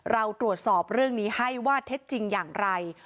เราตรวจสอบเรื่องนี้ให้ว่าเท็จจริงอย่างไร